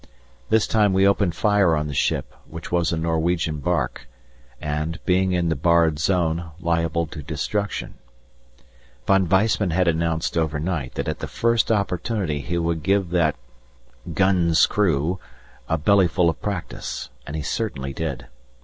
This time we opened fire on the ship, which was a Norwegian barque and, being in the barred zone, liable to destruction. Von Weissman had announced overnight that at the first opportunity he would give "that gun's crew a bellyful of practice," and he certainly did.